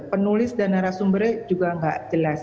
penulis dan narasumbernya juga nggak jelas